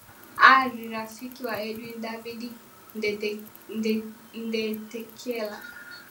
ari rafiki na edwin david ndeketela